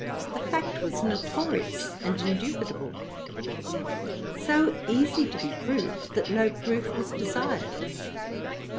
The fact was notorious and indubitable; so easy to be proved, that no proof was desired.